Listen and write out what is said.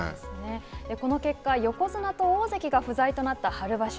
この結果、横綱と大関が不在となった春場所。